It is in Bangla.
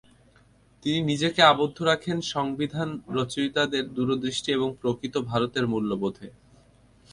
তিনি নিজেকে আবদ্ধ রাখেন সংবিধান রচয়িতাদের দূরদৃষ্টি এবং প্রকৃত ভারতের মূল্যবোধে।